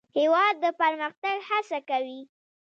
هېواد د پرمختګ هڅه کوي.